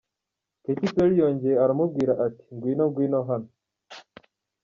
Katy Perry yongeye aramubwira ati “Ngwino, ngwino hano.